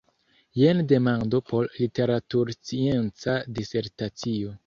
Jen demando por literaturscienca disertacio.